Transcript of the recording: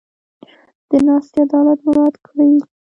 د ناستې عدالت مراعت کړي.